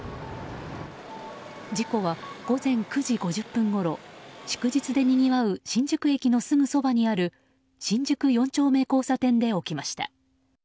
事故は午前９時５０分ごろ祝日でにぎわう新宿駅のすぐそばにある新宿四丁目交差点で起きました。